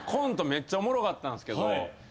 めっちゃおもろかったんすけど。